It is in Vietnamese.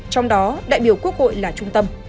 trong đó đại biểu quốc hội là trung tâm